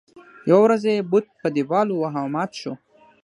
يوه ورځ یې بت په دیوال وواهه او مات شو.